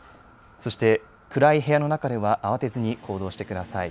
そして、暗い部屋の中では慌てずに行動してください。